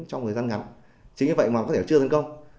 trong thời gian ngắn chính như vậy mà có thể là chưa tấn công